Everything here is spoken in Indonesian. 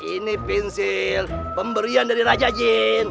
ini pinsil pemberian dari raja jun